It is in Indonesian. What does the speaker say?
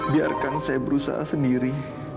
biarkan saya berusaha sendiri